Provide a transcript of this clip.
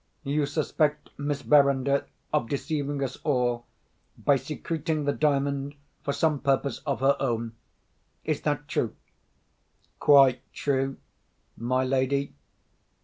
You suspect Miss Verinder of deceiving us all, by secreting the Diamond for some purpose of her own? Is that true?" "Quite true, my lady."